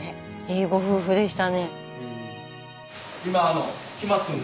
いいご夫婦でしたね。